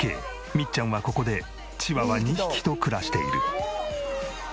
みっちゃんはここでチワワ２匹と暮らしている。